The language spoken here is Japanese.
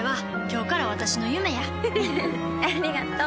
ありがとう。